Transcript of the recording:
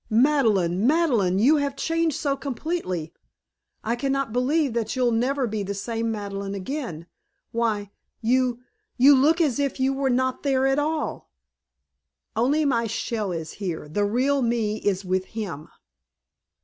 "Madeleine! Madeleine! You have changed so completely! I cannot believe that you'll never be the same Madeleine again. Why you you look as if you were not there at all!" "Only my shell is here. The real me is with him."